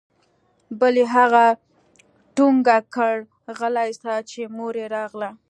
بل يې هغه ټونګه كړ غلى سه چې مور يې راغله.